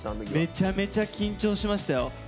めちゃくちゃ緊張しましたよ。